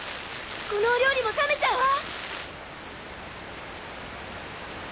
このお料理も冷めちゃうわ！